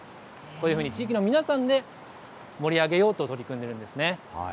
こういうふうに地域の皆さんで盛り上げようと取り組んでいるんですね。